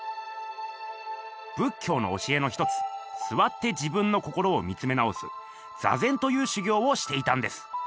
仏教の教えの一つ座って自分の心を見つめ直す「座禅」という修行をしていたんです。